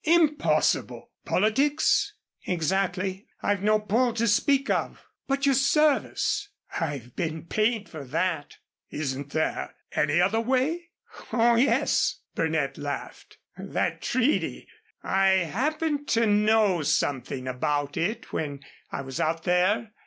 "Impossible! Politics?" "Exactly. I've no pull to speak of." "But your service?" "I've been paid for that." "Isn't there any other way?" "Oh, yes," Burnett laughed, "that treaty. I happened to know something about it when I was out there.